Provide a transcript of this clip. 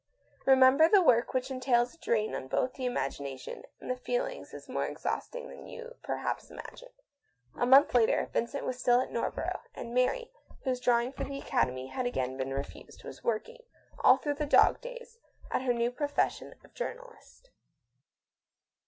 Remember that work which entails a drain on both the imagination and the feelings is more exhausting than you perhaps imagine." 1 174 THE 8T0RT OF A MODERN WOMAN. A month later Vincent was still at North borough, and Mary, whose drawing for the Academy had again been refused, was work ing, all through the dog days; at her new profession of journalist.